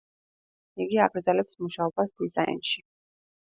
იგი აგრძელებს მუშაობას დიზაინში.